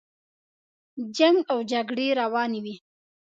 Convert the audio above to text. جنګ او جګړې روانې وې.